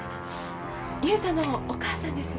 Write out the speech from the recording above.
雄太のお母さんです。